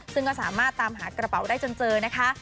ซึ่งก็สามารถตามหากระเป๋าได้จนเจอนะคะ